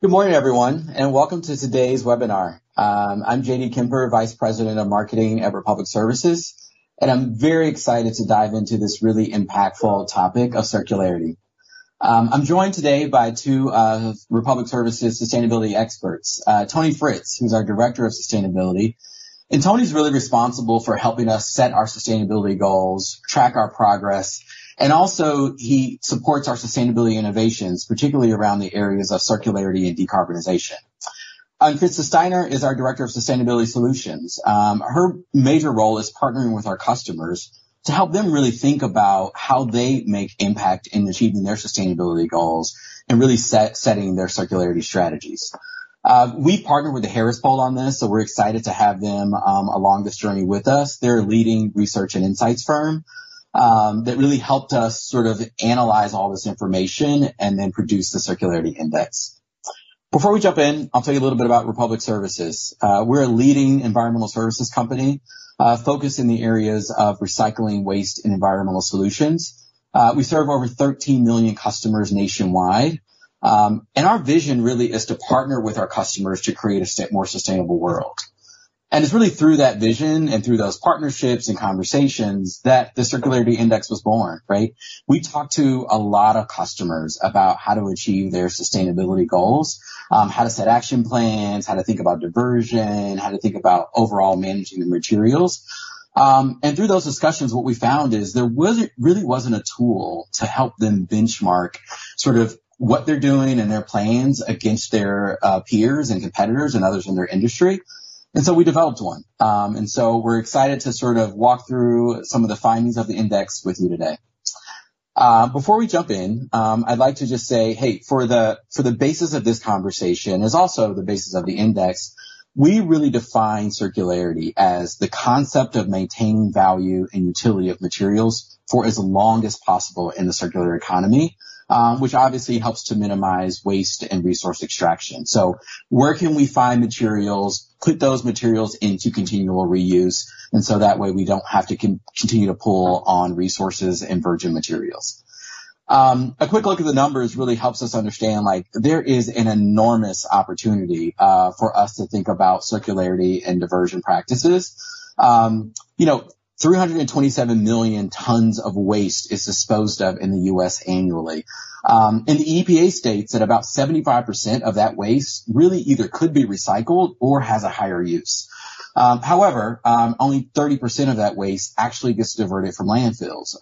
Good morning, everyone, and welcome to today's webinar. I'm JD Kemper, Vice President of Marketing at Republic Services, and I'm very excited to dive into this really impactful topic of circularity. I'm joined today by two Republic Services sustainability experts, Tony Fritz, who's our Director of Sustainability. Tony's really responsible for helping us set our sustainability goals, track our progress, and also he supports our sustainability innovations, particularly around the areas of circularity and decarbonization. Fritz Steiner is our Director of Sustainability Solutions. Her major role is partnering with our customers to help them really think about how they make impact in achieving their sustainability goals and really setting their circularity strategies. We partner with the Harris Poll on this, so we're excited to have them along this journey with us. They're a leading research and insights firm that really helped us sort of analyze all this information and then produce the Circularity Index. Before we jump in, I'll tell you a little bit about Republic Services. We're a leading environmental services company focused in the areas of recycling, waste, and environmental solutions. We serve over 13 million customers nationwide, and our vision really is to partner with our customers to create a more sustainable world. It's really through that vision and through those partnerships and conversations that the Circularity Index was born, right? We talked to a lot of customers about how to achieve their sustainability goals, how to set action plans, how to think about diversion, how to think about overall managing the materials. Through those discussions, what we found is there really was not a tool to help them benchmark sort of what they are doing and their plans against their peers and competitors and others in their industry. We developed one. We are excited to sort of walk through some of the findings of the index with you today. Before we jump in, I would like to just say, hey, for the basis of this conversation, as also the basis of the index, we really define circularity as the concept of maintaining value and utility of materials for as long as possible in the circular economy, which obviously helps to minimize waste and resource extraction. Where can we find materials, put those materials into continual reuse, and that way we do not have to continue to pull on resources and virgin materials? A quick look at the numbers really helps us understand there is an enormous opportunity for us to think about circularity and diversion practices. 327 million tons of waste is disposed of in the U.S. annually. In the EPA states, about 75% of that waste really either could be recycled or has a higher use. However, only 30% of that waste actually gets diverted from landfills.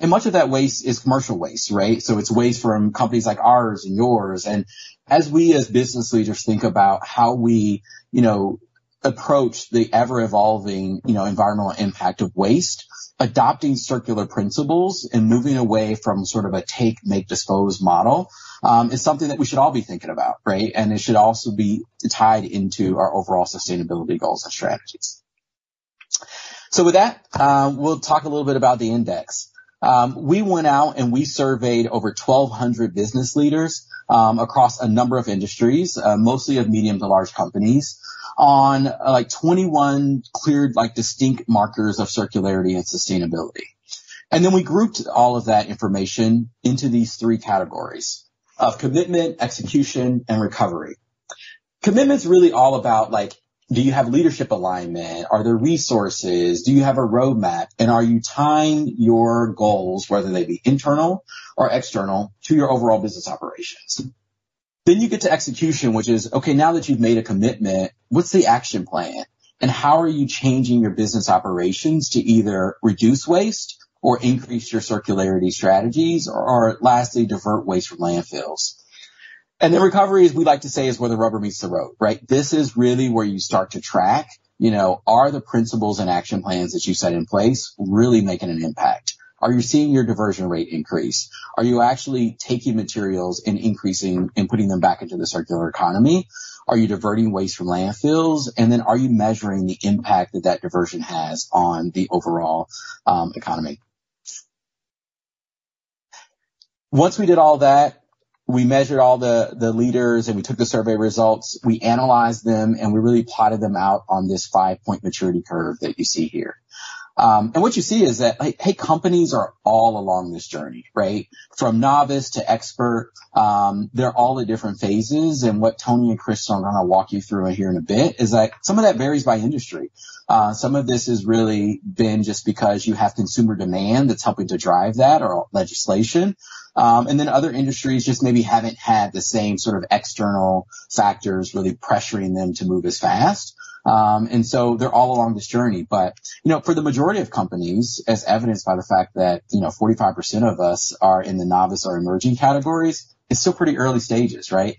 Much of that waste is commercial waste, right? It is waste from companies like ours and yours. As we as business leaders think about how we approach the ever-evolving environmental impact of waste, adopting circular principles and moving away from sort of a take, make, dispose model is something that we should all be thinking about, right? It should also be tied into our overall sustainability goals and strategies. With that, we'll talk a little bit about the index. We went out and we surveyed over 1,200 business leaders across a number of industries, mostly of medium to large companies, on like 21 clear, distinct markers of circularity and sustainability. We grouped all of that information into these three categories of commitment, execution, and recovery. Commitment's really all about, do you have leadership alignment? Are there resources? Do you have a roadmap? Are you tying your goals, whether they be internal or external, to your overall business operations? You get to execution, which is, okay, now that you've made a commitment, what's the action plan? How are you changing your business operations to either reduce waste or increase your circularity strategies or lastly, divert waste from landfills? Recovery, as we like to say, is where the rubber meets the road, right? This is really where you start to track, are the principles and action plans that you set in place really making an impact? Are you seeing your diversion rate increase? Are you actually taking materials and increasing and putting them back into the circular economy? Are you diverting waste from landfills? Are you measuring the impact that that diversion has on the overall economy? Once we did all that, we measured all the leaders and we took the survey results, we analyzed them, and we really plotted them out on this five-point maturity curve that you see here. What you see is that, hey, companies are all along this journey, right? From novice to expert, they're all in different phases. What Tony and Chris are going to walk you through here in a bit is that some of that varies by industry. Some of this has really been just because you have consumer demand that's helping to drive that or legislation. Other industries just maybe haven't had the same sort of external factors really pressuring them to move as fast. They're all along this journey. For the majority of companies, as evidenced by the fact that 45% of us are in the novice or emerging categories, it's still pretty early stages, right?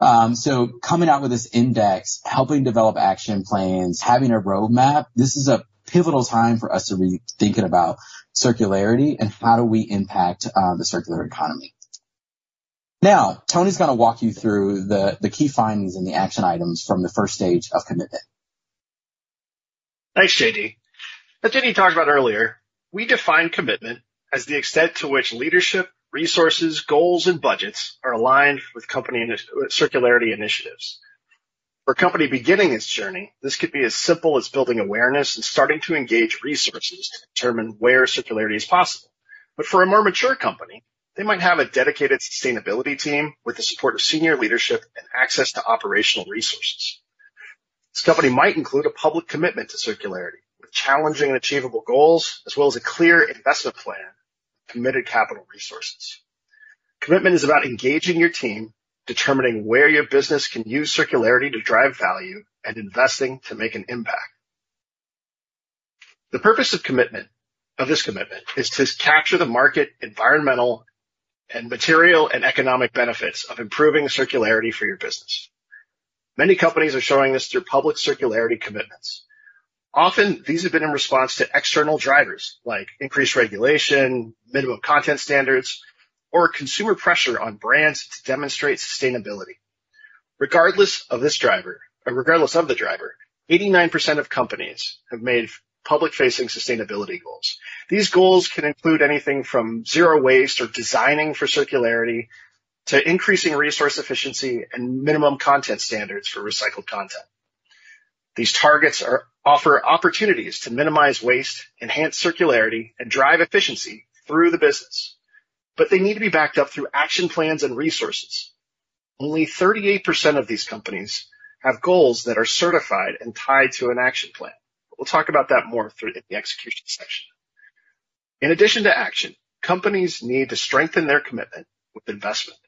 Coming out with this index, helping develop action plans, having a roadmap, this is a pivotal time for us to be thinking about circularity and how do we impact the circular economy. Now, Tony's going to walk you through the key findings and the action items from the first stage of commitment. Thanks, JD. As JD talked about earlier, we define commitment as the extent to which leadership, resources, goals, and budgets are aligned with circularity initiatives. For a company beginning its journey, this could be as simple as building awareness and starting to engage resources to determine where circularity is possible. For a more mature company, they might have a dedicated sustainability team with the support of senior leadership and access to operational resources. This company might include a public commitment to circularity with challenging and achievable goals, as well as a clear investment plan with committed capital resources. Commitment is about engaging your team, determining where your business can use circularity to drive value, and investing to make an impact. The purpose of this commitment is to capture the market, environmental, and material and economic benefits of improving circularity for your business. Many companies are showing this through public circularity commitments. Often, these have been in response to external drivers like increased regulation, minimum content standards, or consumer pressure on brands to demonstrate sustainability. Regardless of this driver, or regardless of the driver, 89% of companies have made public-facing sustainability goals. These goals can include anything from zero waste or designing for circularity to increasing resource efficiency and minimum content standards for recycled content. These targets offer opportunities to minimize waste, enhance circularity, and drive efficiency through the business. They need to be backed up through action plans and resources. Only 38% of these companies have goals that are certified and tied to an action plan. We'll talk about that more in the execution section. In addition to action, companies need to strengthen their commitment with investment.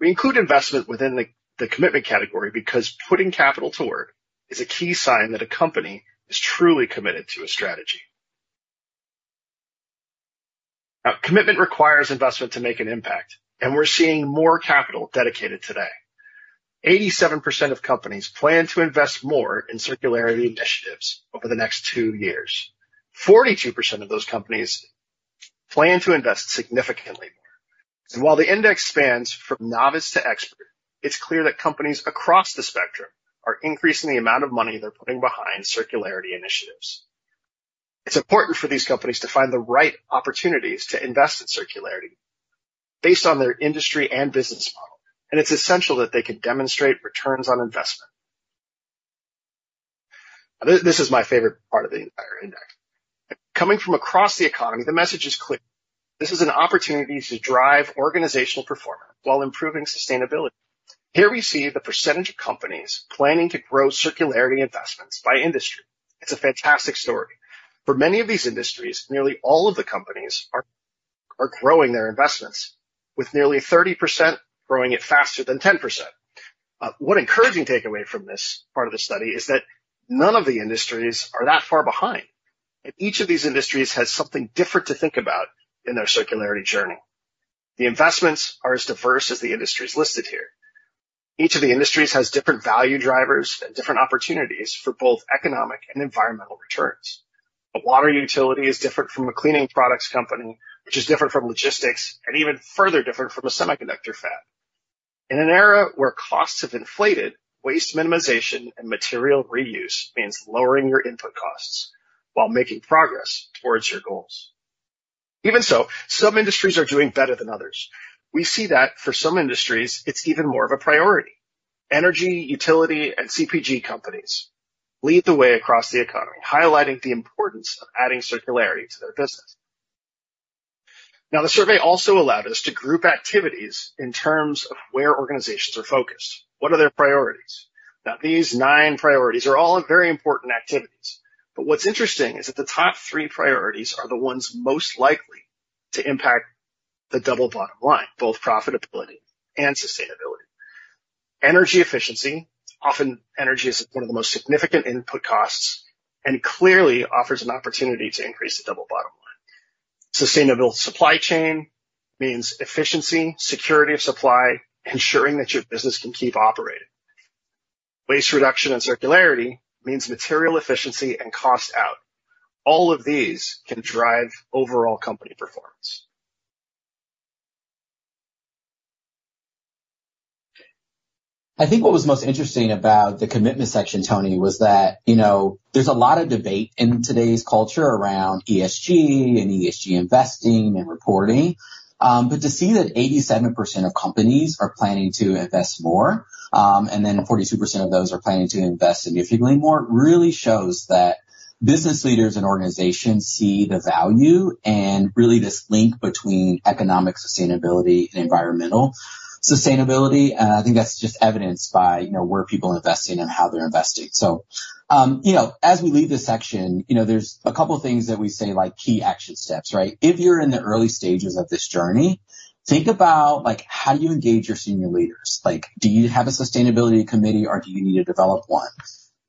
We include investment within the commitment category because putting capital to work is a key sign that a company is truly committed to a strategy. Now, commitment requires investment to make an impact, and we're seeing more capital dedicated today. 87% of companies plan to invest more in circularity initiatives over the next two years. 42% of those companies plan to invest significantly more. While the index spans from novice to expert, it's clear that companies across the spectrum are increasing the amount of money they're putting behind circularity initiatives. It's important for these companies to find the right opportunities to invest in circularity based on their industry and business model. It's essential that they can demonstrate returns on investment. This is my favorite part of the entire index. Coming from across the economy, the message is clear. This is an opportunity to drive organizational performance while improving sustainability. Here we see the percentage of companies planning to grow circularity investments by industry. It's a fantastic story. For many of these industries, nearly all of the companies are growing their investments, with nearly 30% growing it faster than 10%. One encouraging takeaway from this part of the study is that none of the industries are that far behind. Each of these industries has something different to think about in their circularity journey. The investments are as diverse as the industries listed here. Each of the industries has different value drivers and different opportunities for both economic and environmental returns. A water utility is different from a cleaning products company, which is different from logistics, and even further different from a semiconductor fab. In an era where costs have inflated, waste minimization and material reuse means lowering your input costs while making progress towards your goals. Even so, some industries are doing better than others. We see that for some industries, it's even more of a priority. Energy, utility, and CPG companies lead the way across the economy, highlighting the importance of adding circularity to their business. Now, the survey also allowed us to group activities in terms of where organizations are focused. What are their priorities? Now, these nine priorities are all very important activities. What's interesting is that the top three priorities are the ones most likely to impact the double bottom line, both profitability and sustainability. Energy efficiency, often energy is one of the most significant input costs and clearly offers an opportunity to increase the double bottom line. Sustainable supply chain means efficiency, security of supply, ensuring that your business can keep operating. Waste reduction and circularity means material efficiency and cost out. All of these can drive overall company performance. I think what was most interesting about the commitment section, Tony, was that there's a lot of debate in today's culture around ESG and ESG investing and reporting. To see that 87% of companies are planning to invest more, and then 42% of those are planning to invest significantly more, really shows that business leaders and organizations see the value and really this link between economic sustainability and environmental sustainability. I think that's just evidenced by where people are investing and how they're investing. As we leave this section, there's a couple of things that we say like key action steps, right? If you're in the early stages of this journey, think about how do you engage your senior leaders? Do you have a sustainability committee, or do you need to develop one?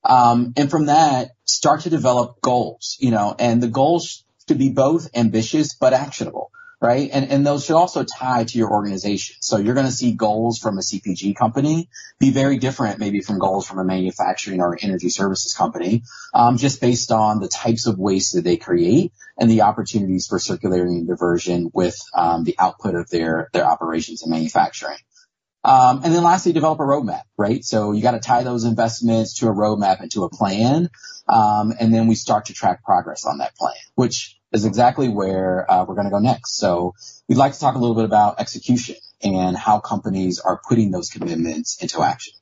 From that, start to develop goals. The goals should be both ambitious but actionable, right? Those should also tie to your organization. You're going to see goals from a CPG company be very different maybe from goals from a manufacturing or energy services company, just based on the types of waste that they create and the opportunities for circularity and diversion with the output of their operations and manufacturing. Lastly, develop a roadmap, right? You got to tie those investments to a roadmap and to a plan. We start to track progress on that plan, which is exactly where we're going to go next. We'd like to talk a little bit about execution and how companies are putting those commitments into action.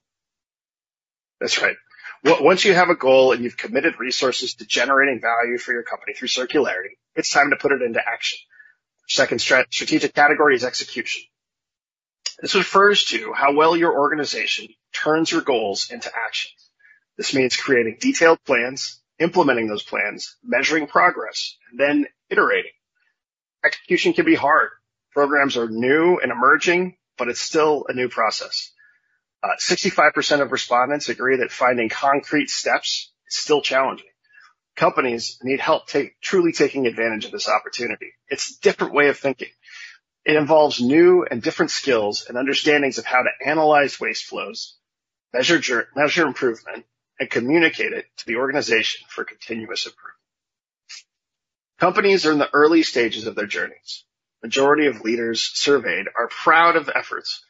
That's right. Once you have a goal and you've committed resources to generating value for your company through circularity, it's time to put it into action. The second strategic category is execution. This refers to how well your organization turns your goals into actions. This means creating detailed plans, implementing those plans, measuring progress, and then iterating. Execution can be hard. Programs are new and emerging, but it's still a new process. 65% of respondents agree that finding concrete steps is still challenging. Companies need help truly taking advantage of this opportunity. It's a different way of thinking. It involves new and different skills and understandings of how to analyze waste flows, measure improvement, and communicate it to the organization for continuous improvement. Companies are in the early stages of their journeys. The majority of leaders surveyed are proud of the efforts,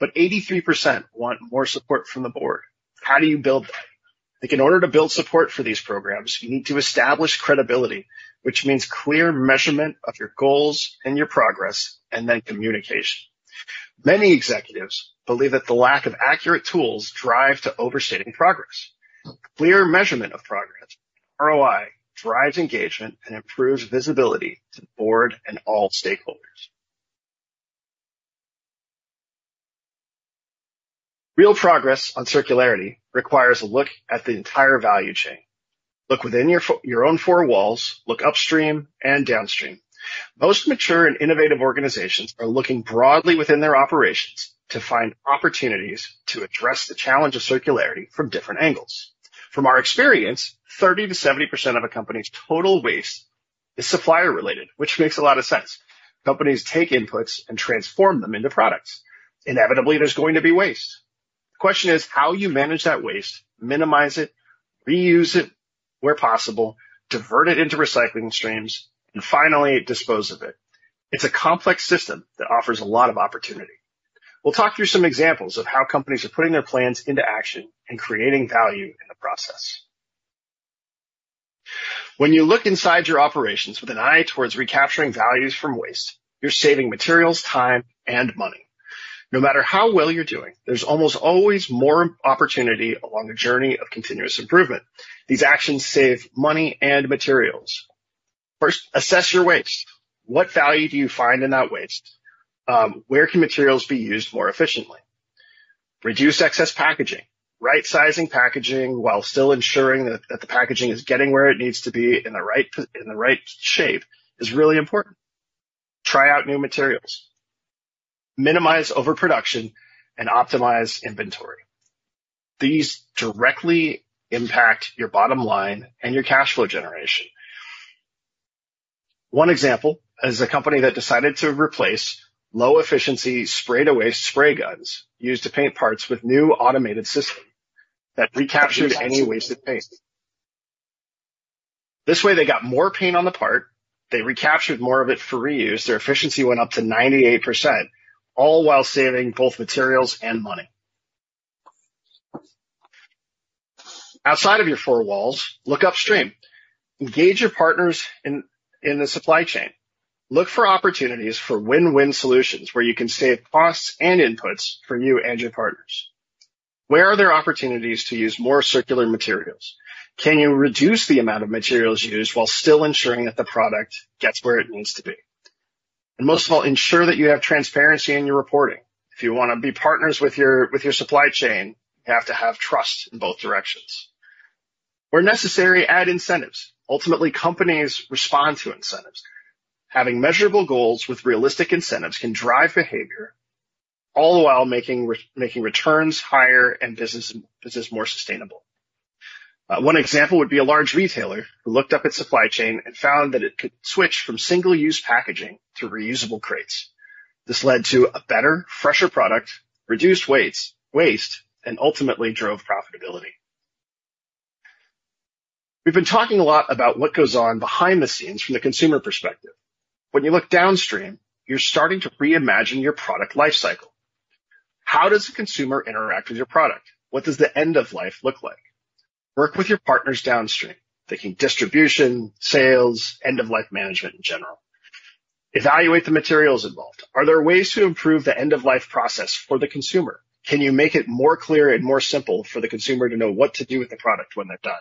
but 83% want more support from the board. How do you build that? In order to build support for these programs, you need to establish credibility, which means clear measurement of your goals and your progress, and then communication. Many executives believe that the lack of accurate tools drives to overstating progress. Clear measurement of progress, ROI, drives engagement and improves visibility to the board and all stakeholders. Real progress on circularity requires a look at the entire value chain. Look within your own four walls, look upstream and downstream. Most mature and innovative organizations are looking broadly within their operations to find opportunities to address the challenge of circularity from different angles. From our experience, 30%-70% of a company's total waste is supplier-related, which makes a lot of sense. Companies take inputs and transform them into products. Inevitably, there's going to be waste. The question is how you manage that waste, minimize it, reuse it where possible, divert it into recycling streams, and finally, dispose of it. It's a complex system that offers a lot of opportunity. We'll talk through some examples of how companies are putting their plans into action and creating value in the process. When you look inside your operations with an eye towards recapturing values from waste, you're saving materials, time, and money. No matter how well you're doing, there's almost always more opportunity along the journey of continuous improvement. These actions save money and materials. First, assess your waste. What value do you find in that waste? Where can materials be used more efficiently? Reduce excess packaging. Right-sizing packaging while still ensuring that the packaging is getting where it needs to be in the right shape is really important. Try out new materials. Minimize overproduction and optimize inventory. These directly impact your bottom line and your cash flow generation. One example is a company that decided to replace low-efficiency spray-to-waste spray guns used to paint parts with a new automated system that recaptured any wasted paint. This way, they got more paint on the part, they recaptured more of it for reuse, their efficiency went up to 98%, all while saving both materials and money. Outside of your four walls, look upstream. Engage your partners in the supply chain. Look for opportunities for win-win solutions where you can save costs and inputs for you and your partners. Where are there opportunities to use more circular materials? Can you reduce the amount of materials used while still ensuring that the product gets where it needs to be? Most of all, ensure that you have transparency in your reporting. If you want to be partners with your supply chain, you have to have trust in both directions. Where necessary, add incentives. Ultimately, companies respond to incentives. Having measurable goals with realistic incentives can drive behavior, all while making returns higher and business more sustainable. One example would be a large retailer who looked up its supply chain and found that it could switch from single-use packaging to reusable crates. This led to a better, fresher product, reduced waste, and ultimately drove profitability. We've been talking a lot about what goes on behind the scenes from the consumer perspective. When you look downstream, you're starting to reimagine your product lifecycle. How does the consumer interact with your product? What does the end of life look like? Work with your partners downstream. Thinking distribution, sales, end-of-life management in general. Evaluate the materials involved. Are there ways to improve the end-of-life process for the consumer? Can you make it more clear and more simple for the consumer to know what to do with the product when they're done?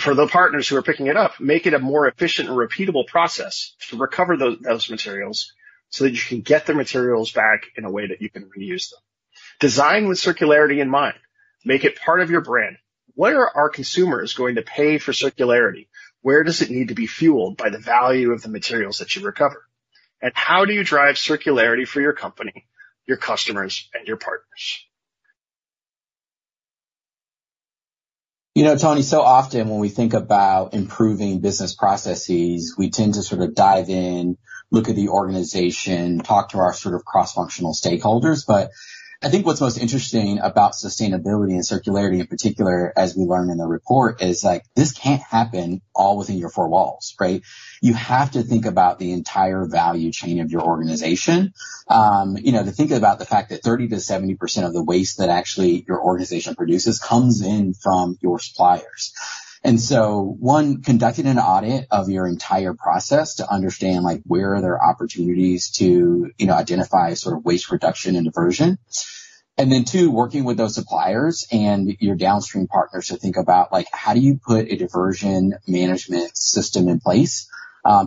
For the partners who are picking it up, make it a more efficient and repeatable process to recover those materials so that you can get the materials back in a way that you can reuse them. Design with circularity in mind. Make it part of your brand. Where are consumers going to pay for circularity? Where does it need to be fueled by the value of the materials that you recover? How do you drive circularity for your company, your customers, and your partners? You know, Tony, so often when we think about improving business processes, we tend to sort of dive in, look at the organization, talk to our sort of cross-functional stakeholders. I think what's most interesting about sustainability and circularity in particular, as we learned in the report, is this can't happen all within your four walls, right? You have to think about the entire value chain of your organization. To think about the fact that 30%-70% of the waste that actually your organization produces comes in from your suppliers. One, conducting an audit of your entire process to understand where are there opportunities to identify sort of waste reduction and diversion. Two, working with those suppliers and your downstream partners to think about how do you put a diversion management system in place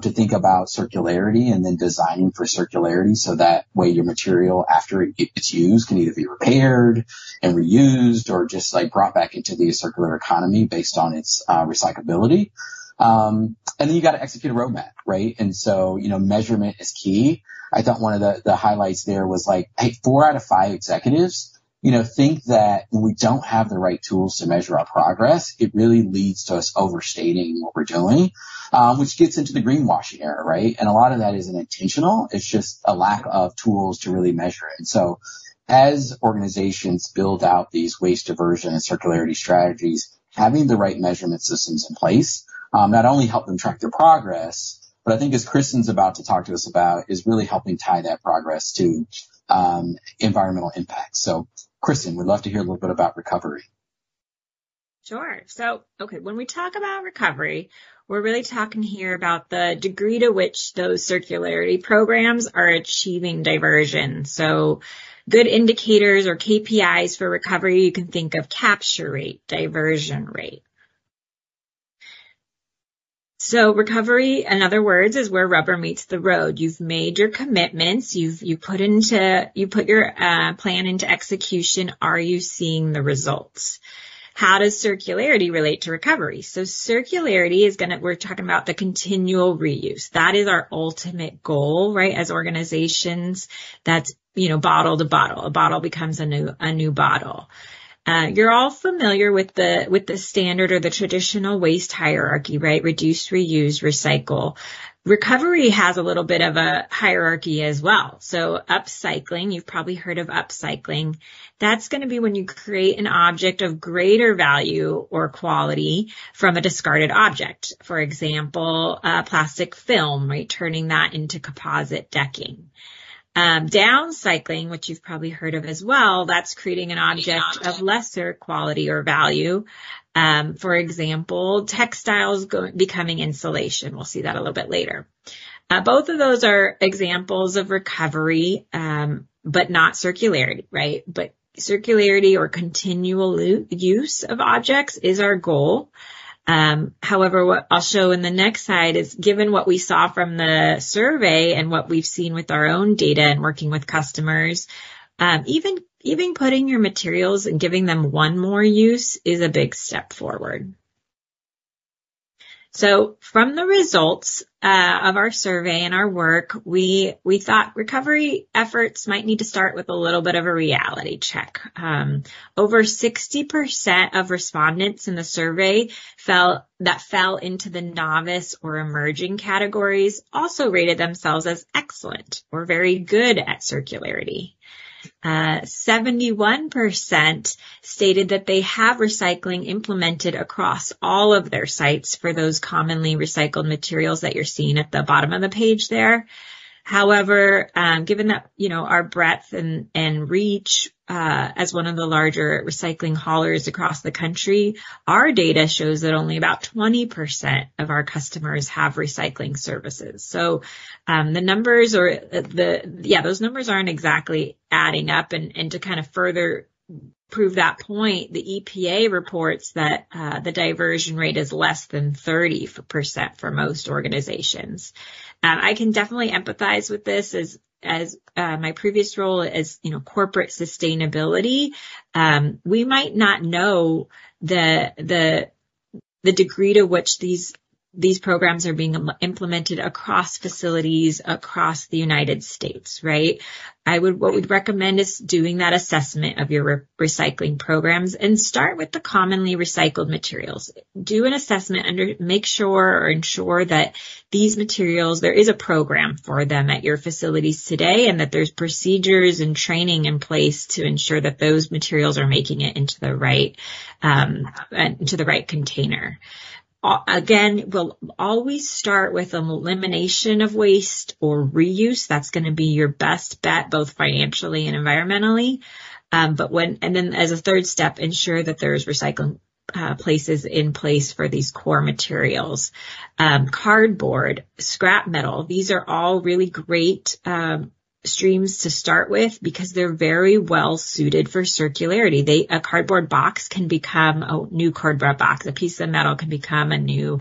to think about circularity and then designing for circularity so that way your material, after it's used, can either be repaired and reused or just brought back into the circular economy based on its recyclability. You have to execute a roadmap, right? Measurement is key. I thought one of the highlights there was like, "Hey, four out of five executives think that when we don't have the right tools to measure our progress, it really leads to us overstating what we're doing," which gets into the greenwashing era, right? A lot of that isn't intentional. It's just a lack of tools to really measure it. As organizations build out these waste diversion and circularity strategies, having the right measurement systems in place not only helps them track their progress, but I think as Kristin's about to talk to us about is really helping tie that progress to environmental impacts. Kristin, we'd love to hear a little bit about recovery. Sure. Okay, when we talk about recovery, we're really talking here about the degree to which those circularity programs are achieving diversion. Good indicators or KPIs for recovery, you can think of capture rate, diversion rate. Recovery, in other words, is where rubber meets the road. You've made your commitments. You put your plan into execution. Are you seeing the results? How does circularity relate to recovery? Circularity is going to—we're talking about the continual reuse. That is our ultimate goal, right? As organizations, that's bottle to bottle. A bottle becomes a new bottle. You're all familiar with the standard or the traditional waste hierarchy, right? Reduce, reuse, recycle. Recovery has a little bit of a hierarchy as well. Upcycling, you've probably heard of upcycling. That's going to be when you create an object of greater value or quality from a discarded object. For example, plastic film, right? Turning that into composite decking. Downcycling, which you've probably heard of as well, that's creating an object of lesser quality or value. For example, textiles becoming insulation. We'll see that a little bit later. Both of those are examples of recovery, but not circularity, right? Circularity or continual use of objects is our goal. However, what I'll show in the next slide is given what we saw from the survey and what we've seen with our own data and working with customers, even putting your materials and giving them one more use is a big step forward. From the results of our survey and our work, we thought recovery efforts might need to start with a little bit of a reality check. Over 60% of respondents in the survey felt that fell into the novice or emerging categories also rated themselves as excellent or very good at circularity. 71% stated that they have recycling implemented across all of their sites for those commonly recycled materials that you're seeing at the bottom of the page there. However, given that our breadth and reach as one of the larger recycling haulers across the country, our data shows that only about 20% of our customers have recycling services. Yeah, those numbers aren't exactly adding up. To kind of further prove that point, the EPA reports that the diversion rate is less than 30% for most organizations. I can definitely empathize with this as my previous role is corporate sustainability. We might not know the degree to which these programs are being implemented across facilities across the United States, right? What we'd recommend is doing that assessment of your recycling programs and start with the commonly recycled materials. Do an assessment, make sure or ensure that these materials—there is a program for them at your facilities today and that there's procedures and training in place to ensure that those materials are making it into the right container. Again, we'll always start with an elimination of waste or reuse. That's going to be your best bet, both financially and environmentally. As a third step, ensure that there are recycling places in place for these core materials. Cardboard, scrap metal, these are all really great streams to start with because they're very well suited for circularity. A cardboard box can become a new cardboard box. A piece of metal can become a new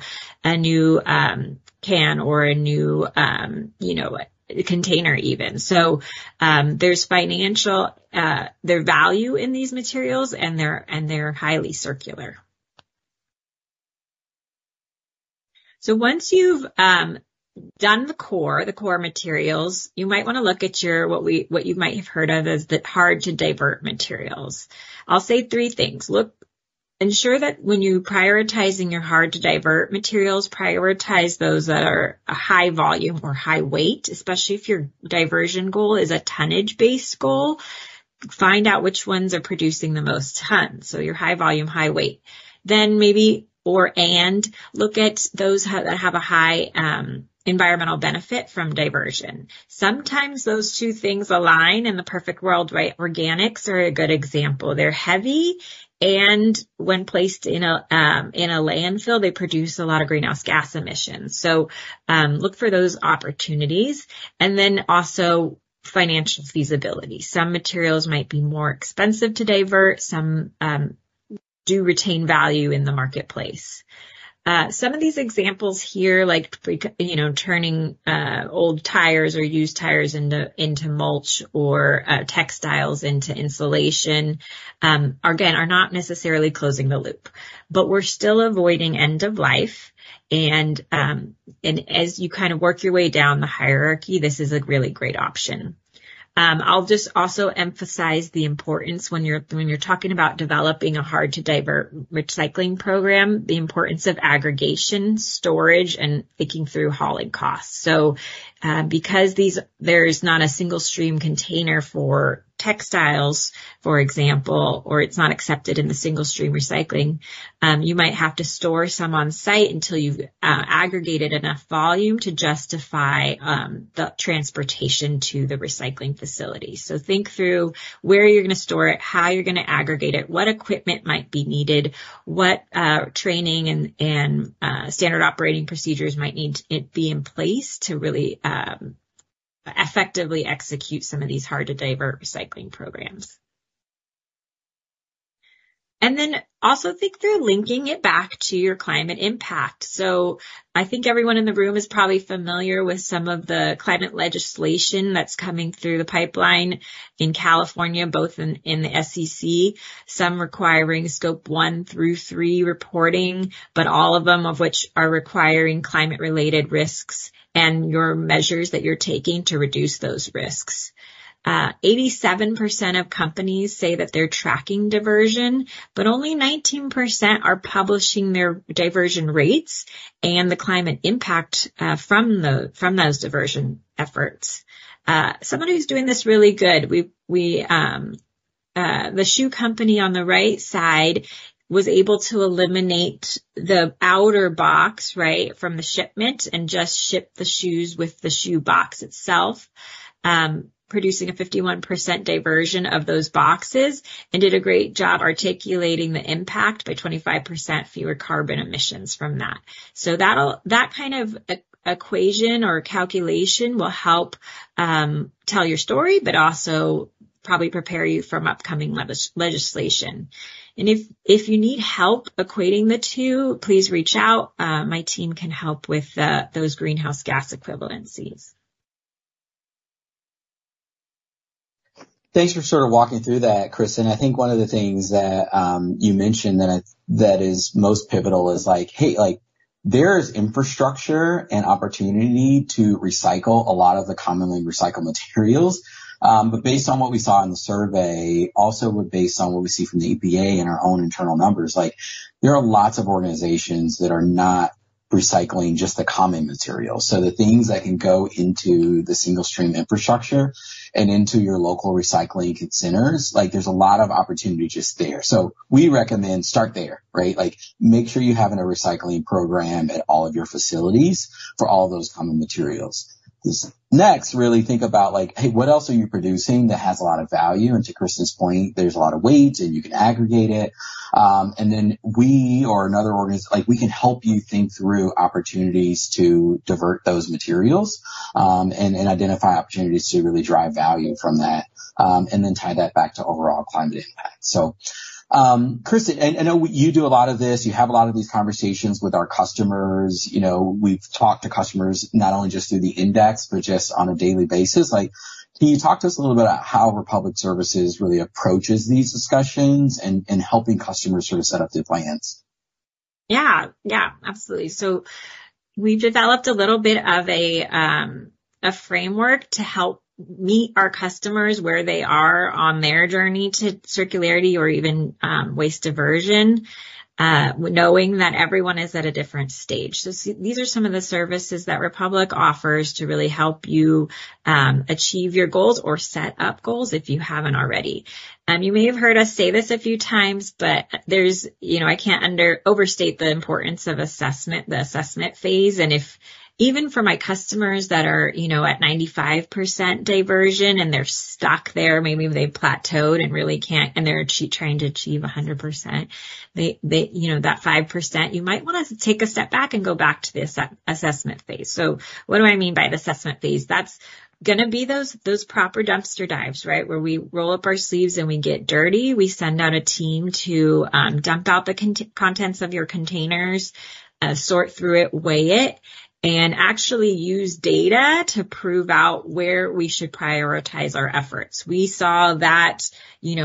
can or a new container even. There is financial value in these materials, and they're highly circular. Once you've done the core, the core materials, you might want to look at what you might have heard of as the hard-to-divert materials. I'll say three things. Ensure that when you're prioritizing your hard-to-divert materials, prioritize those that are a high volume or high weight, especially if your diversion goal is a tonnage-based goal. Find out which ones are producing the most tons. Your high volume, high weight. Maybe—or—and look at those that have a high environmental benefit from diversion. Sometimes those two things align. In the perfect world, right? Organics are a good example. They're heavy, and when placed in a landfill, they produce a lot of greenhouse gas emissions. Look for those opportunities. Also financial feasibility. Some materials might be more expensive to divert. Some do retain value in the marketplace. Some of these examples here, like turning old tires or used tires into mulch or textiles into insulation, again, are not necessarily closing the loop. We are still avoiding end of life. As you kind of work your way down the hierarchy, this is a really great option. I'll just also emphasize the importance when you're talking about developing a hard-to-divert recycling program, the importance of aggregation, storage, and thinking through hauling costs. Because there's not a single-stream container for textiles, for example, or it's not accepted in the single-stream recycling, you might have to store some on-site until you've aggregated enough volume to justify the transportation to the recycling facility. Think through where you're going to store it, how you're going to aggregate it, what equipment might be needed, what training and standard operating procedures might need to be in place to really effectively execute some of these hard-to-divert recycling programs. Also think through linking it back to your climate impact. I think everyone in the room is probably familiar with some of the climate legislation that's coming through the pipeline in California, both in the SEC, some requiring scope 1-3 reporting, but all of them of which are requiring climate-related risks and your measures that you're taking to reduce those risks. 87% of companies say that they're tracking diversion, but only 19% are publishing their diversion rates and the climate impact from those diversion efforts. Somebody who's doing this really good. The shoe company on the right side was able to eliminate the outer box, right, from the shipment and just ship the shoes with the shoe box itself, producing a 51% diversion of those boxes and did a great job articulating the impact by 25% fewer carbon emissions from that. That kind of equation or calculation will help tell your story, but also probably prepare you for upcoming legislation. If you need help equating the two, please reach out. My team can help with those greenhouse gas equivalencies. Thanks for sort of walking through that, Kristin. I think one of the things that you mentioned that is most pivotal is like, "Hey, there is infrastructure and opportunity to recycle a lot of the commonly recycled materials." Based on what we saw in the survey, also based on what we see from the EPA and our own internal numbers, there are lots of organizations that are not recycling just the common materials. The things that can go into the single-stream infrastructure and into your local recycling centers, there is a lot of opportunity just there. We recommend start there, right? Make sure you have a recycling program at all of your facilities for all those common materials. Next, really think about like, "Hey, what else are you producing that has a lot of value?" To Kristin's point, there's a lot of weight, and you can aggregate it. We or another organization, we can help you think through opportunities to divert those materials and identify opportunities to really drive value from that and then tie that back to overall climate impact. Kristin, I know you do a lot of this. You have a lot of these conversations with our customers. We've talked to customers not only just through the index, but just on a daily basis. Can you talk to us a little bit about how Republic Services really approaches these discussions and helping customers sort of set up their plans? Yeah. Yeah. Absolutely. We have developed a little bit of a framework to help meet our customers where they are on their journey to circularity or even waste diversion, knowing that everyone is at a different stage. These are some of the services that Republic offers to really help you achieve your goals or set up goals if you have not already. You may have heard us say this a few times, but I cannot overstate the importance of the assessment phase. Even for my customers that are at 95% diversion and they are stuck there, maybe they have plateaued and they are trying to achieve 100%, that 5%, you might want to take a step back and go back to the assessment phase. What do I mean by the assessment phase? That is going to be those proper dumpster dives, right, where we roll up our sleeves and we get dirty. We send out a team to dump out the contents of your containers, sort through it, weigh it, and actually use data to prove out where we should prioritize our efforts. We saw that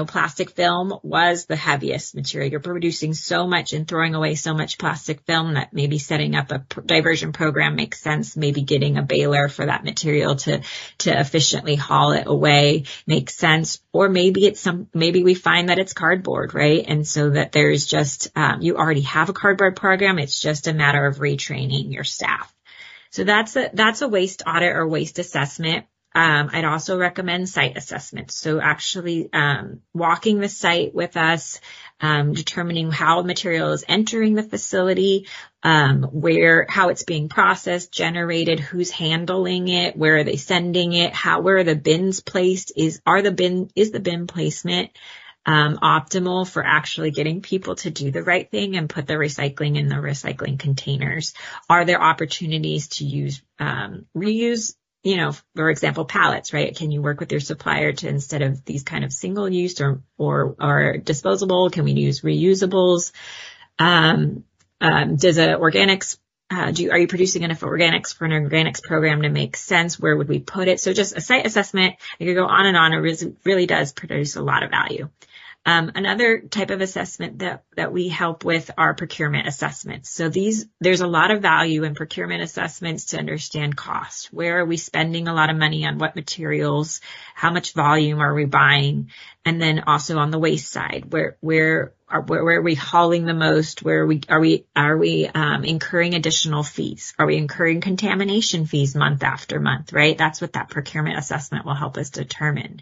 plastic film was the heaviest material. You're producing so much and throwing away so much plastic film that maybe setting up a diversion program makes sense. Maybe getting a baler for that material to efficiently haul it away makes sense. Maybe we find that it's cardboard, right? You already have a cardboard program. It's just a matter of retraining your staff. That's a waste audit or waste assessment. I'd also recommend site assessments. Actually walking the site with us, determining how material is entering the facility, how it's being processed, generated, who's handling it, where are they sending it, where are the bins placed, is the bin placement optimal for actually getting people to do the right thing and put the recycling in the recycling containers? Are there opportunities to use reuse? For example, pallets, right? Can you work with your supplier to instead of these kind of single-use or disposable, can we use reusables? Are you producing enough organics for an organics program to make sense? Where would we put it? Just a site assessment, you could go on and on, it really does produce a lot of value. Another type of assessment that we help with are procurement assessments. There's a lot of value in procurement assessments to understand cost. Where are we spending a lot of money on what materials? How much volume are we buying? Also on the waste side, where are we hauling the most? Are we incurring additional fees? Are we incurring contamination fees month after month, right? That is what that procurement assessment will help us determine.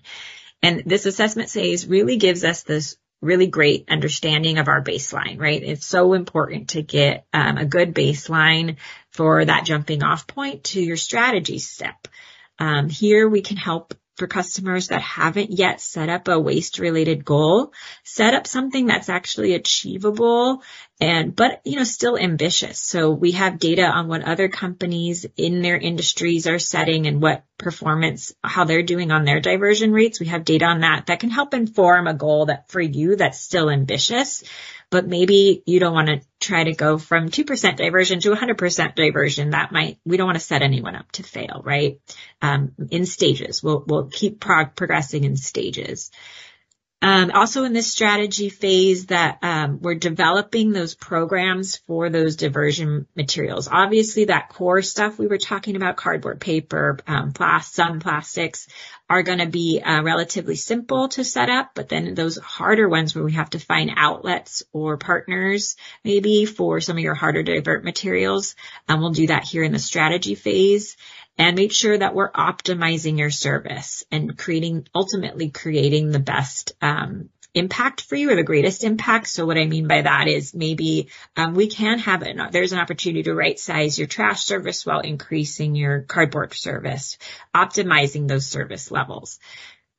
This assessment phase really gives us this really great understanding of our baseline, right? It is so important to get a good baseline for that jumping-off point to your strategy step. Here, we can help for customers that have not yet set up a waste-related goal, set up something that is actually achievable, but still ambitious. We have data on what other companies in their industries are setting and how they are doing on their diversion rates. We have data on that that can help inform a goal for you that's still ambitious, but maybe you don't want to try to go from 2% diversion to 100% diversion. We don't want to set anyone up to fail, right? In stages. We'll keep progressing in stages. Also in this strategy phase that we're developing those programs for those diversion materials. Obviously, that core stuff we were talking about, cardboard, paper, some plastics, are going to be relatively simple to set up, but then those harder ones where we have to find outlets or partners maybe for some of your harder diversion materials, we'll do that here in the strategy phase and make sure that we're optimizing your service and ultimately creating the best impact for you or the greatest impact. What I mean by that is maybe there's an opportunity to right-size your trash service while increasing your cardboard service, optimizing those service levels.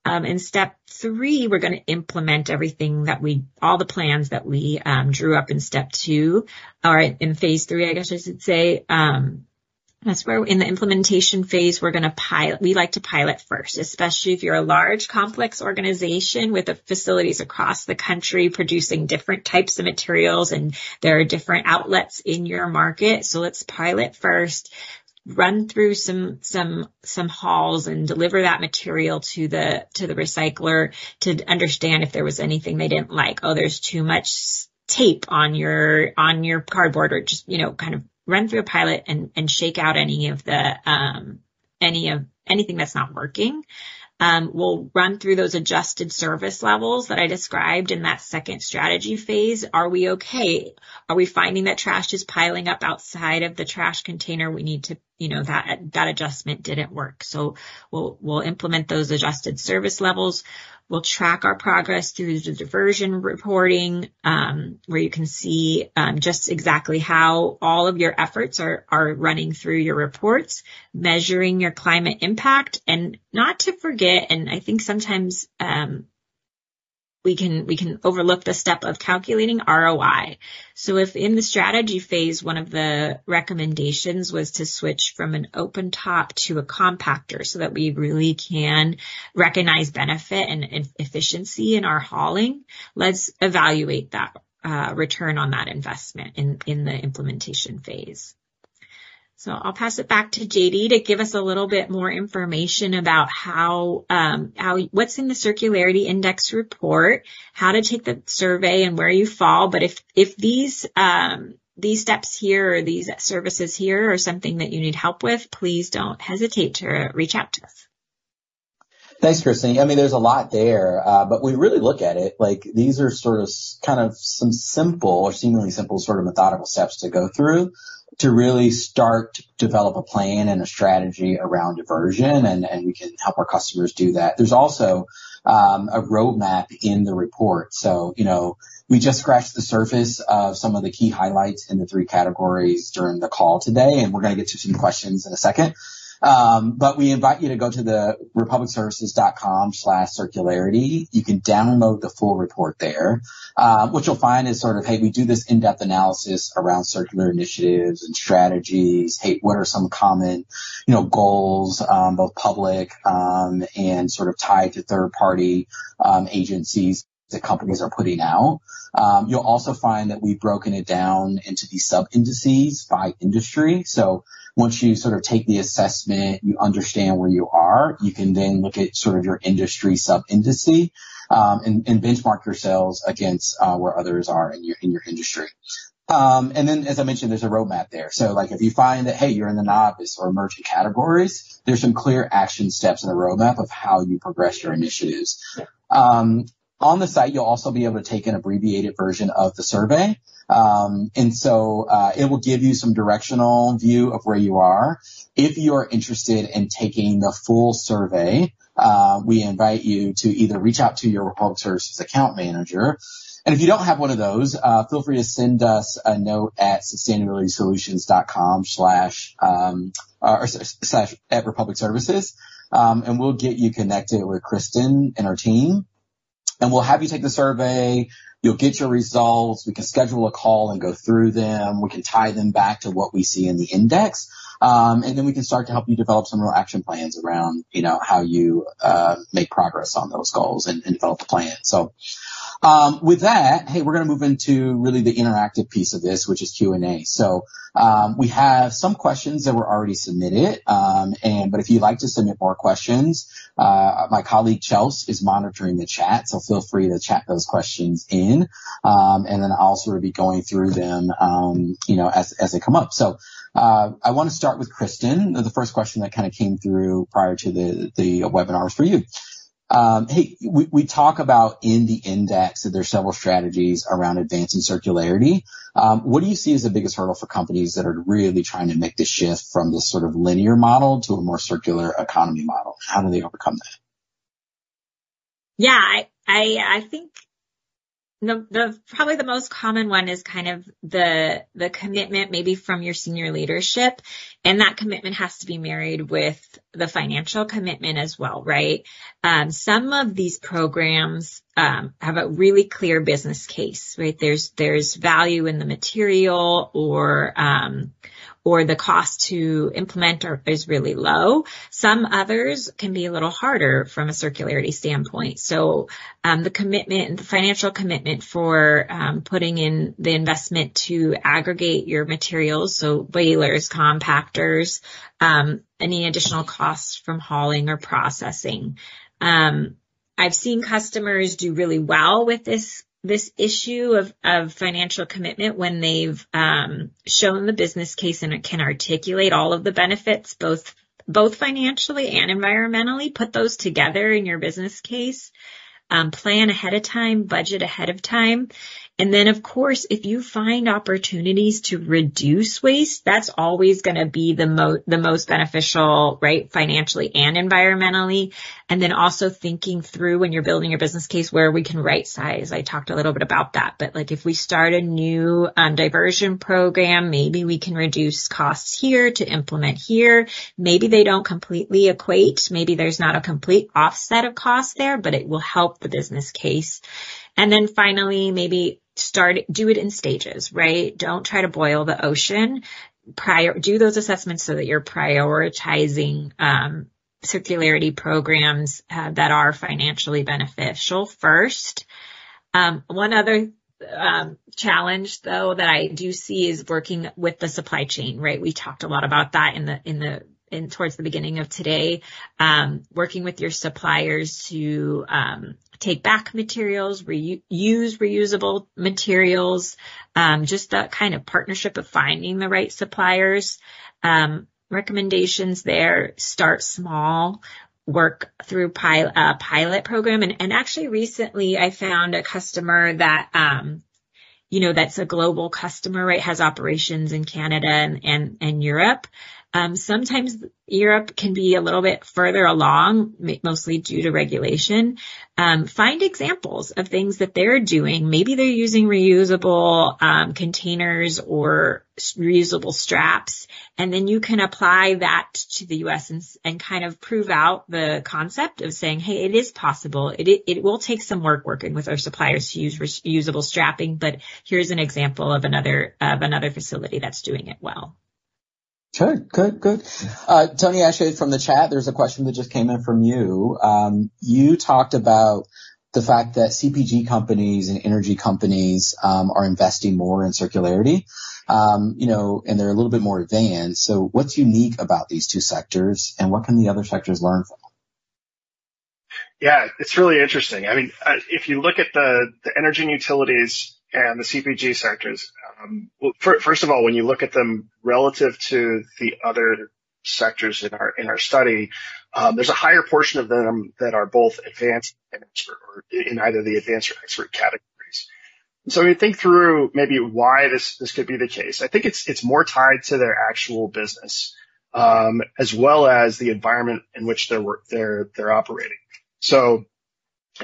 In step three, we're going to implement everything that we—all the plans that we drew up in step two or in phase three, I guess I should say. That's where in the implementation phase, we're going to pilot—we like to pilot first, especially if you're a large, complex organization with facilities across the country producing different types of materials and there are different outlets in your market. Let's pilot first, run through some hauls and deliver that material to the recycler to understand if there was anything they didn't like. Oh, there's too much tape on your cardboard or just kind of run through a pilot and shake out any of the—anything that's not working. We'll run through those adjusted service levels that I described in that second strategy phase. Are we okay? Are we finding that trash is piling up outside of the trash container? We need to—that adjustment did not work. We will implement those adjusted service levels. We will track our progress through the diversion reporting where you can see just exactly how all of your efforts are running through your reports, measuring your climate impact. Not to forget, and I think sometimes we can overlook the step of calculating ROI. If in the strategy phase, one of the recommendations was to switch from an open top to a compactor so that we really can recognize benefit and efficiency in our hauling, let's evaluate that return on that investment in the implementation phase. I will pass it back to JD to give us a little bit more information about what is in the Circularity Index report, how to take the survey, and where you fall. If these steps here or these services here are something that you need help with, please do not hesitate to reach out to us. Thanks, Kristin. I mean, there's a lot there, but we really look at it like these are sort of kind of some simple or seemingly simple sort of methodical steps to go through to really start to develop a plan and a strategy around diversion, and we can help our customers do that. There's also a roadmap in the report. We just scratched the surface of some of the key highlights in the three categories during the call today, and we're going to get to some questions in a second. We invite you to go to the republicservices.com/circularity. You can download the full report there, which you'll find is sort of, "Hey, we do this in-depth analysis around circular initiatives and strategies. Hey, what are some common goals, both public and sort of tied to third-party agencies that companies are putting out? You'll also find that we've broken it down into these sub-indices by industry. Once you sort of take the assessment, you understand where you are, you can then look at sort of your industry sub-indicing and benchmark yourselves against where others are in your industry. As I mentioned, there's a roadmap there. If you find that, hey, you're in the novice or emerging categories, there's some clear action steps in the roadmap of how you progress your initiatives. On the site, you'll also be able to take an abbreviated version of the survey. It will give you some directional view of where you are. If you are interested in taking the full survey, we invite you to either reach out to your Republic Services account manager. If you do not have one of those, feel free to send us a note at sustainabilitysolutions.com/@republicservices, and we will get you connected with Kristin and our team. We will have you take the survey. You will get your results. We can schedule a call and go through them. We can tie them back to what we see in the index. We can start to help you develop some real action plans around how you make progress on those goals and develop a plan. With that, we are going to move into really the interactive piece of this, which is Q&A. We have some questions that were already submitted, but if you'd like to submit more questions, my colleague Charles is monitoring the chat, so feel free to chat those questions in. I'll sort of be going through them as they come up. I want to start with Kristin, the first question that kind of came through prior to the webinar is for you. Hey, we talk about in the index that there are several strategies around advancing circularity. What do you see as the biggest hurdle for companies that are really trying to make the shift from this sort of linear model to a more circular economy model? How do they overcome that? Yeah. I think probably the most common one is kind of the commitment maybe from your senior leadership. That commitment has to be married with the financial commitment as well, right? Some of these programs have a really clear business case, right? There's value in the material or the cost to implement is really low. Some others can be a little harder from a circularity standpoint. The commitment, the financial commitment for putting in the investment to aggregate your materials, so balers, compactors, any additional costs from hauling or processing. I've seen customers do really well with this issue of financial commitment when they've shown the business case and can articulate all of the benefits, both financially and environmentally. Put those together in your business case. Plan ahead of time. Budget ahead of time. If you find opportunities to reduce waste, that's always going to be the most beneficial, right, financially and environmentally. Also, thinking through when you're building your business case where we can right-size. I talked a little bit about that, but if we start a new diversion program, maybe we can reduce costs here to implement here. Maybe they don't completely equate. Maybe there's not a complete offset of cost there, but it will help the business case. Finally, maybe do it in stages, right? Don't try to boil the ocean. Do those assessments so that you're prioritizing circularity programs that are financially beneficial first. One other challenge, though, that I do see is working with the supply chain, right? We talked a lot about that towards the beginning of today. Working with your suppliers to take back materials, use reusable materials, just that kind of partnership of finding the right suppliers. Recommendations there, start small, work through a pilot program. Actually, recently, I found a customer that's a global customer, right, has operations in Canada and Europe. Sometimes Europe can be a little bit further along, mostly due to regulation. Find examples of things that they're doing. Maybe they're using reusable containers or reusable straps, and then you can apply that to the U.S. and kind of prove out the concept of saying, "Hey, it is possible. It will take some work working with our suppliers to use reusable strapping, but here's an example of another facility that's doing it well. Okay. Good. Good. Tony, actually, from the chat, there's a question that just came in for you. You talked about the fact that CPG companies and energy companies are investing more in circularity, and they're a little bit more advanced. What is unique about these two sectors, and what can the other sectors learn from? Yeah. It's really interesting. I mean, if you look at the energy and utilities and the CPG sectors, first of all, when you look at them relative to the other sectors in our study, there's a higher portion of them that are both advanced or in either the advanced or expert categories. When you think through maybe why this could be the case, I think it's more tied to their actual business as well as the environment in which they're operating.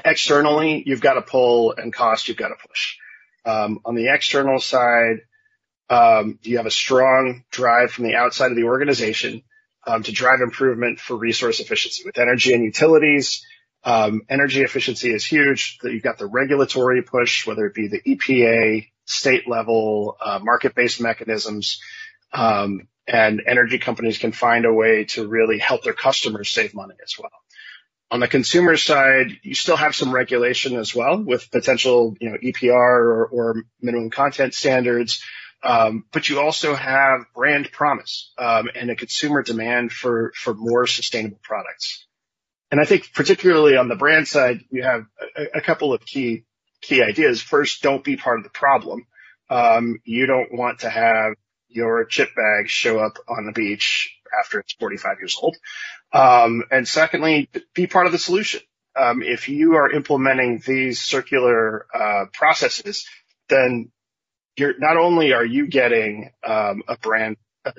Externally, you've got a pull, and cost, you've got a push. On the external side, you have a strong drive from the outside of the organization to drive improvement for resource efficiency. With energy and utilities, energy efficiency is huge. You've got the regulatory push, whether it be the EPA, state-level market-based mechanisms, and energy companies can find a way to really help their customers save money as well. On the consumer side, you still have some regulation as well with potential EPR or minimum content standards, but you also have brand promise and a consumer demand for more sustainable products. I think particularly on the brand side, you have a couple of key ideas. First, don't be part of the problem. You don't want to have your chip bag show up on the beach after it's 45 years old. Secondly, be part of the solution. If you are implementing these circular processes, then not only are you getting a brand or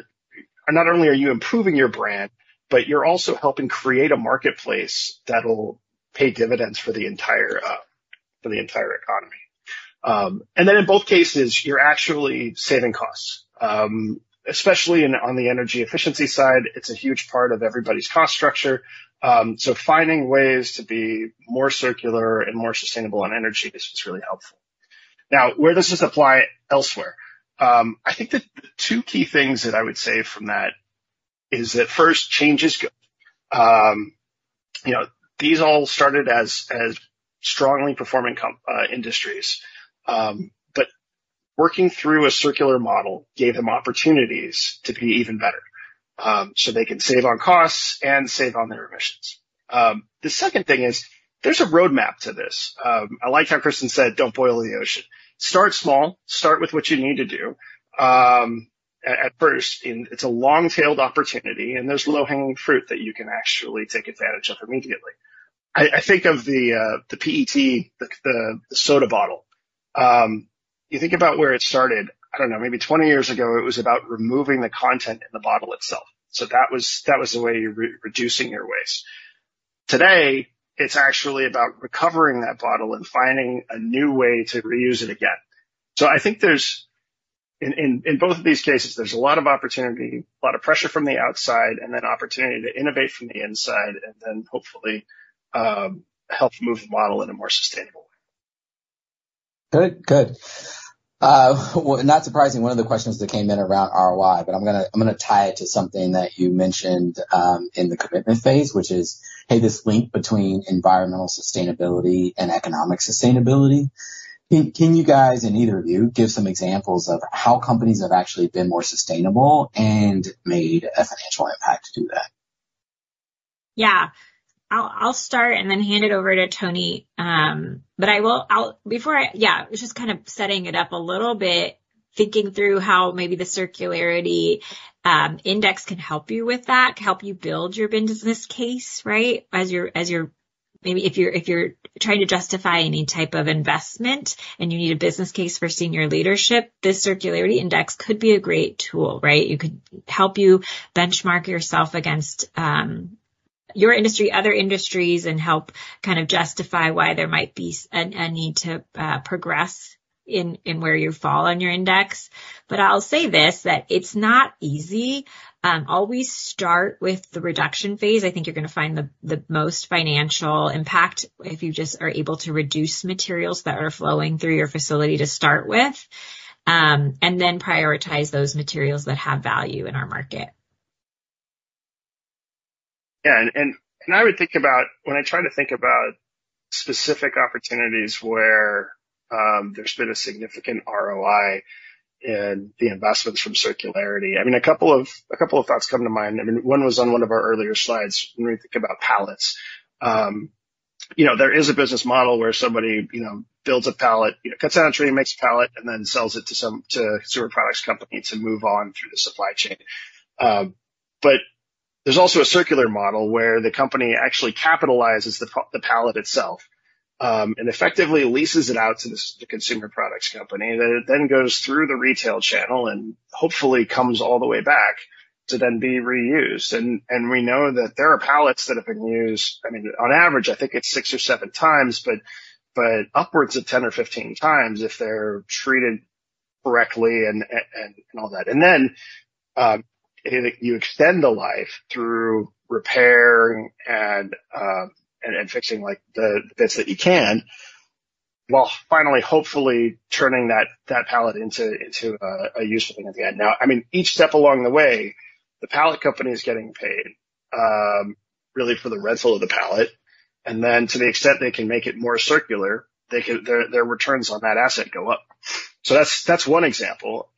not only are you improving your brand, but you're also helping create a marketplace that'll pay dividends for the entire economy. In both cases, you're actually saving costs, especially on the energy efficiency side. It's a huge part of everybody's cost structure. Finding ways to be more circular and more sustainable on energy is really helpful. Where does this apply elsewhere? I think that the two key things that I would say from that is that first, change is good. These all started as strongly performing industries, but working through a circular model gave them opportunities to be even better so they can save on costs and save on their emissions. The second thing is there's a roadmap to this. I like how Kristin said, "Don't boil the ocean. Start small. Start with what you need to do." At first, it's a long-tailed opportunity, and there's low-hanging fruit that you can actually take advantage of immediately. I think of the PET, the soda bottle. You think about where it started. I don't know, maybe 20 years ago, it was about removing the content in the bottle itself. That was the way you were reducing your waste. Today, it's actually about recovering that bottle and finding a new way to reuse it again. I think in both of these cases, there's a lot of opportunity, a lot of pressure from the outside, and then opportunity to innovate from the inside, and then hopefully help move the model in a more sustainable way. Good. Good. Not surprising, one of the questions that came in around ROI, but I'm going to tie it to something that you mentioned in the commitment phase, which is, "Hey, this link between environmental sustainability and economic sustainability." Can you guys, and either of you, give some examples of how companies have actually been more sustainable and made a financial impact to do that? Yeah. I'll start and then hand it over to Tony. Before I—yeah, just kind of setting it up a little bit, thinking through how maybe the Circularity Index can help you with that, help you build your business case, right? Maybe if you're trying to justify any type of investment and you need a business case for senior leadership, this Circularity Index could be a great tool, right? It could help you benchmark yourself against your industry, other industries, and help kind of justify why there might be a need to progress in where you fall on your index. I'll say this, that it's not easy. Always start with the reduction phase. I think you're going to find the most financial impact if you just are able to reduce materials that are flowing through your facility to start with, and then prioritize those materials that have value in our market. Yeah. I would think about when I try to think about specific opportunities where there's been a significant ROI in the investments from circularity. I mean, a couple of thoughts come to mind. One was on one of our earlier slides when we think about pallets. There is a business model where somebody builds a pallet, cuts down a tree, makes a pallet, and then sells it to a consumer products company to move on through the supply chain. There is also a circular model where the company actually capitalizes the pallet itself and effectively leases it out to the consumer products company. It goes through the retail channel and hopefully comes all the way back to then be reused. We know that there are pallets that have been used, I mean, on average, I think it's six or seven times, but upwards of 10 or 15 times if they're treated correctly and all that. You extend the life through repair and fixing the bits that you can, while finally, hopefully, turning that pallet into a useful thing at the end. I mean, each step along the way, the pallet company is getting paid really for the rental of the pallet. To the extent they can make it more circular, their returns on that asset go up. That's one example.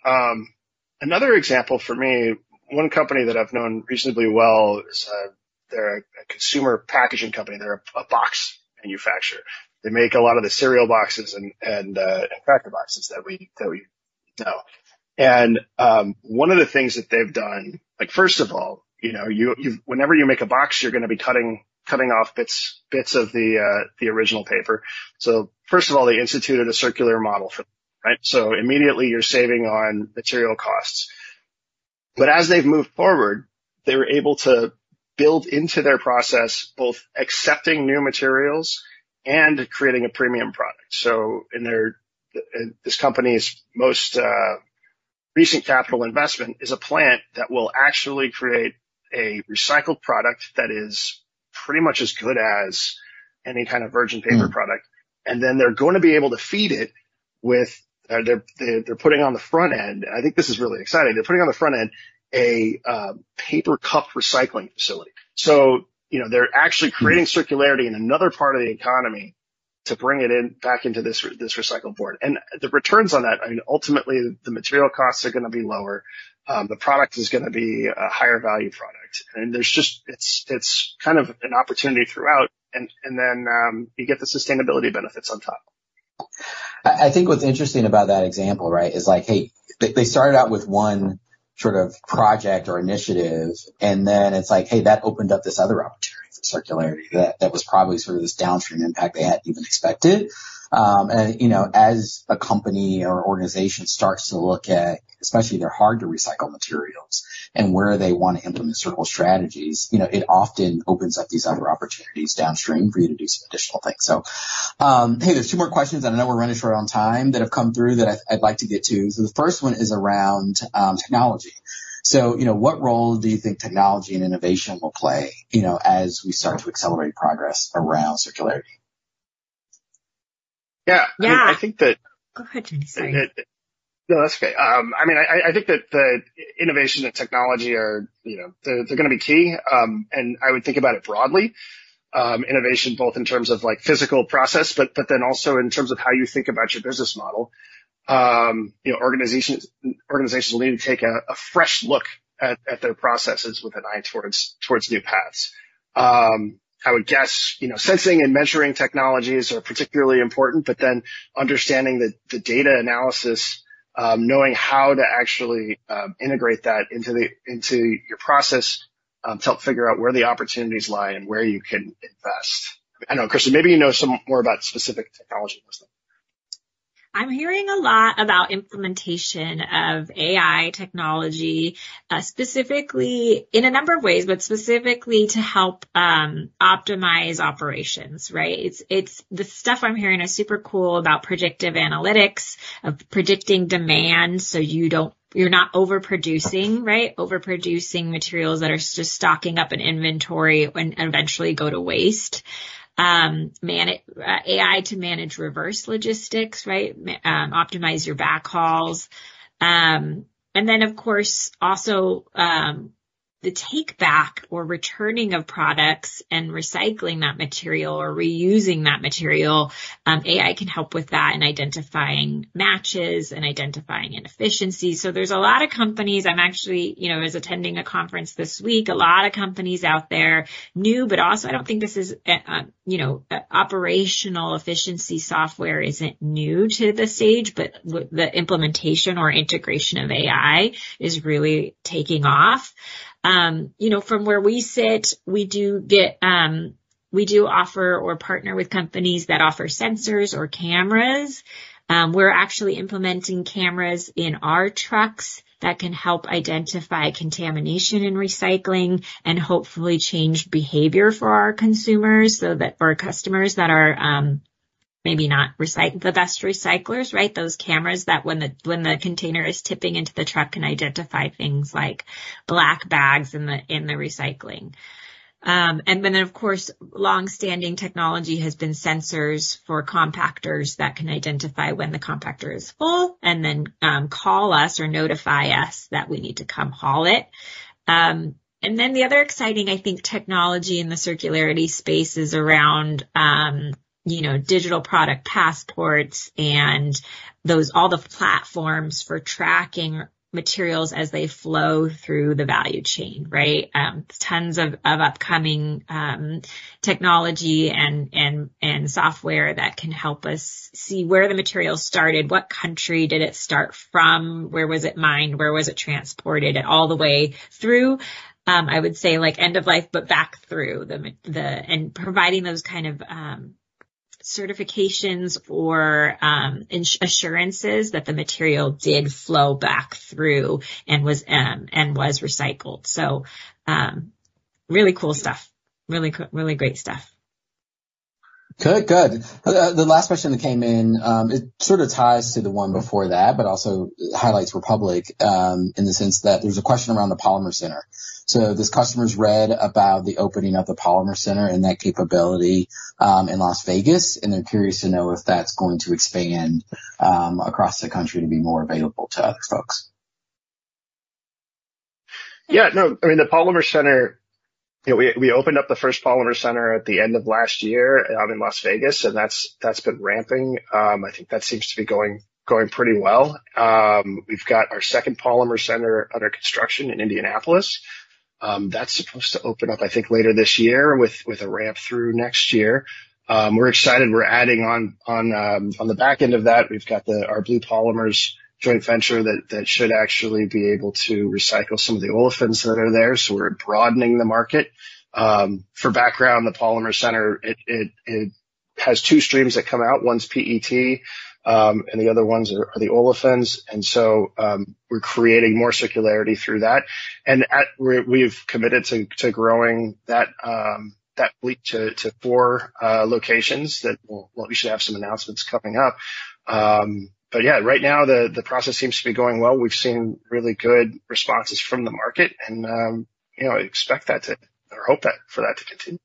Another example for me, one company that I've known reasonably well, they're a consumer packaging company. They're a box manufacturer. They make a lot of the cereal boxes and cracker boxes that we know. One of the things that they've done, first of all, whenever you make a box, you're going to be cutting off bits of the original paper. First of all, they instituted a circular model for them, right? Immediately, you're saving on material costs. As they've moved forward, they were able to build into their process both accepting new materials and creating a premium product. This company's most recent capital investment is a plant that will actually create a recycled product that is pretty much as good as any kind of virgin paper product. They are going to be able to feed it with what they're putting on the front end. I think this is really exciting. They're putting on the front end a paper cup recycling facility. They are actually creating circularity in another part of the economy to bring it back into this recycled board. The returns on that, I mean, ultimately, the material costs are going to be lower. The product is going to be a higher value product. It is kind of an opportunity throughout. You get the sustainability benefits on top. I think what's interesting about that example, right, is like, "Hey, they started out with one sort of project or initiative, and then it's like, 'Hey, that opened up this other opportunity for circularity that was probably sort of this downstream impact they hadn't even expected.'" As a company or organization starts to look at, especially their hard-to-recycle materials and where they want to implement circle strategies, it often opens up these other opportunities downstream for you to do some additional things. There are two more questions, and I know we're running short on time that have come through that I'd like to get to. The first one is around technology. What role do you think technology and innovation will play as we start to accelerate progress around circularity? Yeah. I think that. Go ahead, Tony. Sorry. No, that's okay. I mean, I think that innovation and technology, they're going to be key. I would think about it broadly. Innovation, both in terms of physical process, but then also in terms of how you think about your business model. Organizations will need to take a fresh look at their processes with an eye towards new paths. I would guess sensing and measuring technologies are particularly important, but then understanding the data analysis, knowing how to actually integrate that into your process to help figure out where the opportunities lie and where you can invest. I don't know, Kristin, maybe you know some more about specific technology in this thing. I'm hearing a lot about implementation of AI technology specifically in a number of ways, but specifically to help optimize operations, right? The stuff I'm hearing is super cool about predictive analytics of predicting demand so you're not overproducing, right? Overproducing materials that are just stocking up in inventory and eventually go to waste. AI to manage reverse logistics, right? Optimize your backhauls. Of course, also the take-back or returning of products and recycling that material or reusing that material, AI can help with that and identifying matches and identifying inefficiencies. There are a lot of companies. I'm actually attending a conference this week. A lot of companies out there new, but also I don't think this operational efficiency software is new to the stage, but the implementation or integration of AI is really taking off. From where we sit, we do offer or partner with companies that offer sensors or cameras. We're actually implementing cameras in our trucks that can help identify contamination in recycling and hopefully change behavior for our consumers or customers that are maybe not the best recyclers, right? Those cameras that when the container is tipping into the truck can identify things like black bags in the recycling. Of course, long-standing technology has been sensors for compactors that can identify when the compactor is full and then call us or notify us that we need to come haul it. The other exciting, I think, technology in the circularity space is around digital product passports and all the platforms for tracking materials as they flow through the value chain, right? Tons of upcoming technology and software that can help us see where the material started, what country did it start from, where was it mined, where was it transported, and all the way through. I would say end of life, but back through, and providing those kind of certifications or assurances that the material did flow back through and was recycled. Really cool stuff. Really great stuff. Good. Good. The last question that came in, it sort of ties to the one before that, but also highlights Republic in the sense that there's a question around the Polymer Center. This customer's read about the opening of the Polymer Center and that capability in Las Vegas, and they're curious to know if that's going to expand across the country to be more available to other folks. Yeah. No. I mean, the Polymer Center, we opened up the first Polymer Center at the end of last year out in Las Vegas, and that's been ramping. I think that seems to be going pretty well. We've got our second Polymer Center under construction in Indianapolis. That's supposed to open up, I think, later this year with a ramp through next year. We're excited. We're adding on the back end of that. We've got our Blue Polymers joint venture that should actually be able to recycle some of the olefins that are there. We're broadening the market. For background, the Polymer Center, it has two streams that come out. One's PET, and the other ones are the olefins. We're creating more circularity through that. We've committed to growing that fleet to four locations that we should have some announcements coming up. Right now, the process seems to be going well. We've seen really good responses from the market, and I expect that to or hope for that to continue.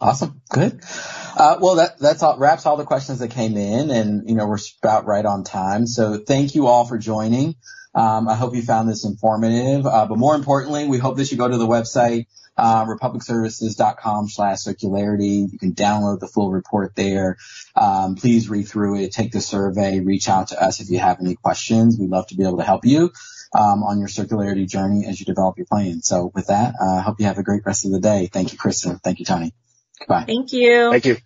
Awesome. Good. That wraps all the questions that came in, and we're about right on time. Thank you all for joining. I hope you found this informative. More importantly, we hope that you go to the website, republicservices.com/circularity. You can download the full report there. Please read through it, take the survey, reach out to us if you have any questions. We'd love to be able to help you on your circularity journey as you develop your plan. With that, I hope you have a great rest of the day. Thank you, Kristin. Thank you, Tony. Bye. Thank you. Thank you.